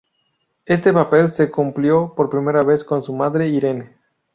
Este papel se cumplió por primera vez con su madre Irene.